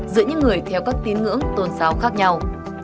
giữa những người theo các tín ngưỡng tôn giáo khác nhau